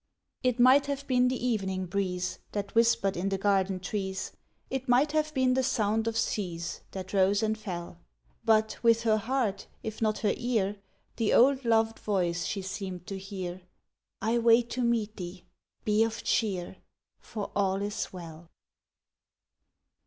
It might have been the evening breeze That whispered in the garden trees, It might have been the sound of seas That rose and fell; But, with her heart, if not her ear, The old loved voice she seemed to hear: "I wait to meet thee: be of cheer, For all is well!"